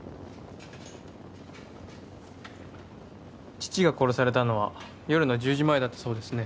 父が殺されたのは夜の１０時前だったそうですね。